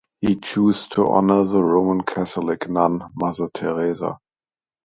He chose to honour the Roman Catholic nun, Mother Teresa.